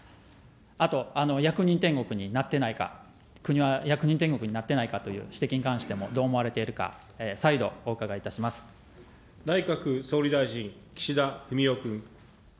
あと、役人天国になってないか、国は役人天国になってないかという指摘に関してもどう思われているか、再度、内閣総理大臣、岸田文雄君。